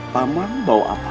paman bau apa